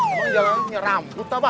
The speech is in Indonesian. emang jalanan itu nyeram